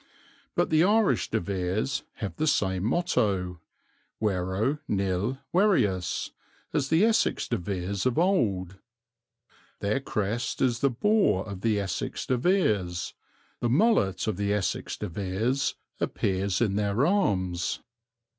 But the Irish De Veres have the same motto Vero nil Verius as the Essex De Veres of old; their crest is the boar of the Essex De Veres; the mullet of the Essex De Veres appears in their arms.